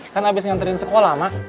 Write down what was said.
kan abis nganterin sekolah mah